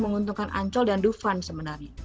menguntungkan ancol dan dufan sebenarnya